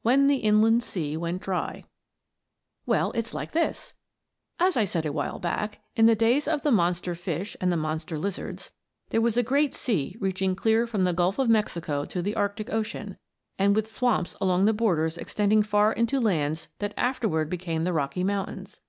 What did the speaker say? WHEN THE INLAND SEA WENT DRY Well, it's like this: As I said a while back, in the days of the monster fish and the monster lizards, there was a great sea reaching clear from the Gulf of Mexico to the Arctic Ocean, and with swamps along the borders extending far into lands that afterward became the Rocky Mountains.